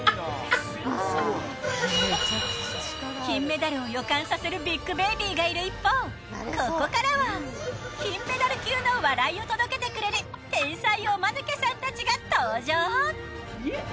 金メダルを予感させるビッグベイビーがいる一方ここからは金メダル級の笑いを届けてくれる天才おマヌケさんたちが登場。